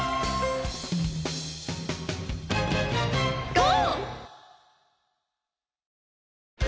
「ゴー！」